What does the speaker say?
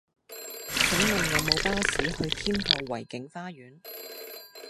請問有無巴士去天后維景花園